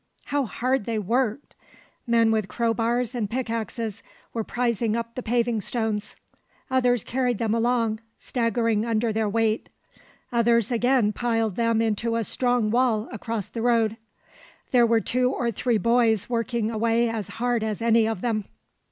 How hard they worked! Men with crowbars and pickaxes were prizing up the paving stones; others carried them along, staggering under their weight; others again piled them into a strong wall across the road. There were two or three boys working away as hard as any of them.